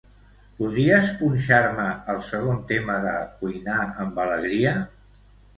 Podries punxar-me el segon tema de "Cuinar amb alegria"?